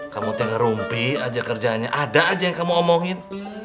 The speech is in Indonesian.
kamu tinggal rumpi aja kerjanya ada aja yang kamu omongin